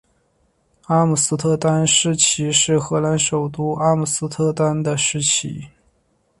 阿姆斯特丹市旗是荷兰首都阿姆斯特丹的市旗。